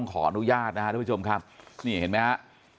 ขออนุญาตนะฮะทุกผู้ชมครับนี่เห็นมั้ยฮะ